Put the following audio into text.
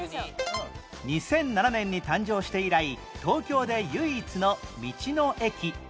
２００７年に誕生して以来東京で唯一の道の駅